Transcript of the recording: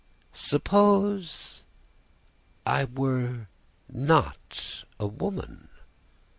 "'Suppose I were not a woman?